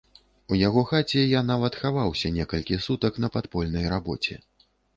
У яго хаце я нават хаваўся некалькі сутак на падпольнай рабоце.